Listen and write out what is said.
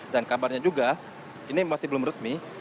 dan kabarnya juga ini masih belum resmi